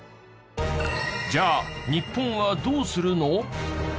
じゃあ日本はどうするの？